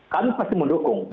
kami pasti mendukung